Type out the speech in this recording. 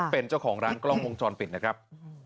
เป็นเจ้าของร้านกล้องวงจรปิดนะครับ